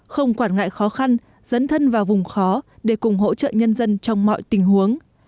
không quản ngại khó khăn dấn thân vào vùng khó để cùng hỗ trợ nhân dân trong mọi tình huống